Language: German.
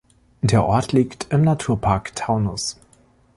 Der Ort liegt im Naturpark Taunus.